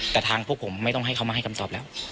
แต่ทางพวกผมไม่ต้องให้เขามาให้คำตอบแล้ว